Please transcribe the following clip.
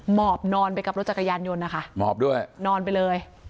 หมอบนอนไปกับรถจักรยานยนต์นะคะหมอบด้วยนอนไปเลย